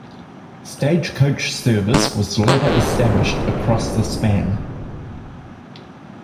Stagecoach service was later established across the span.